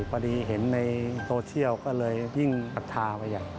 พอดีเห็นในโทเชียลก็เลยยิ่งศักดิ์ภาคอย่างใหญ่